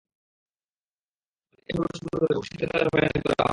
কারণ তাঁরা মনে করেন, এসবের সূত্র ধরে ভবিষ্যতে তাঁদের হয়রানি করা হবে।